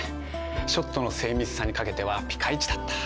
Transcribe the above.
ショットの精密さにかけてはピカイチだった。